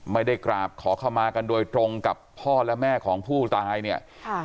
ไม่ได้กราบขอเข้ามากันโดยตรงกับพ่อและแม่ของผู้ตายเนี่ยค่ะ